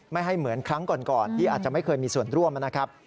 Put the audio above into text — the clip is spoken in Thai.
ไม่ให้เหมือนครั้งก่อนที่อาจจะไม่เคยมีส่วนร่วมนะครับ